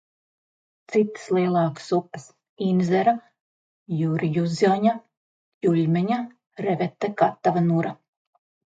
Citas lielākas upes – Inzera, Jurjuzaņa, Tjuļmeņa, Revete, Katava, Nura.